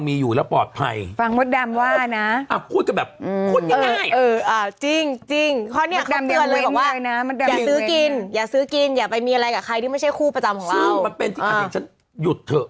ซึ่งมันเป็นที่อาจถึงฉันหยุดเถอะ